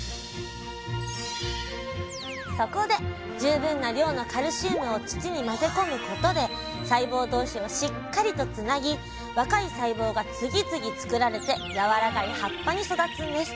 そこで十分な量のカルシウムを土に混ぜ込むことで細胞同士をしっかりとつなぎ若い細胞が次々作られてやわらかい葉っぱに育つんです